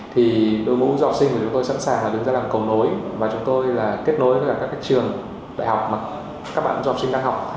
thì đối mục du học sinh của chúng tôi sẵn sàng là đứng ra làm cầu nối và chúng tôi là kết nối với các trường đại học mà các bạn du học sinh đang học